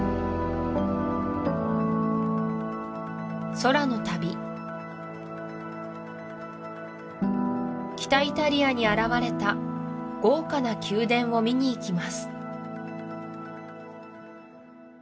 空の旅北イタリアに現れた豪華な宮殿を見にいきます